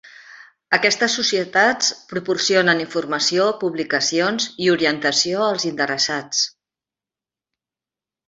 Aquestes societats proporcionen informació, publicacions i orientació als interessats.